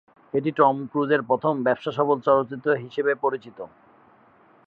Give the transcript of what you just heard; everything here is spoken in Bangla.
এটি টম ক্রুজের প্রথম ব্যবসাসফল চলচ্চিত্র হিসেবেও পরিচিত।